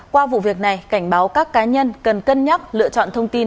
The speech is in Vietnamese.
qua vụ việc này cảnh báo các cá nhân cần cân nhắc lựa chọn thông tin